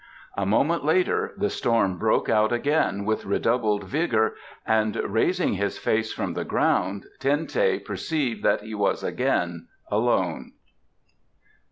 A moment later the storm broke out again with redoubled vigour, and raising his face from the ground Ten teh perceived that he was again alone.